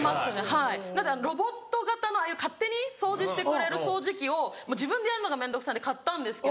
はいなんでロボット型のああいう勝手に掃除してくれる掃除機を自分でやるのが面倒くさいんで買ったんですけど